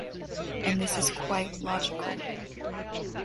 And this is quite logical.